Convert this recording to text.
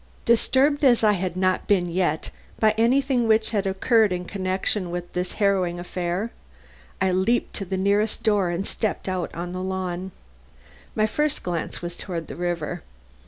Disturbed as I had not been yet by anything which had occurred in connection with this harrowing affair, I leaped to the nearest door and stepped out on the lawn. My first glance was toward the river.